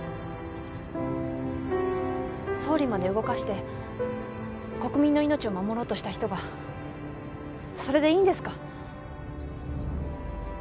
総理まで動かして国民の命を守ろうとした人がそれでいいんですか？